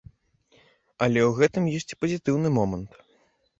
Але ў гэтым ёсць і пазітыўны момант.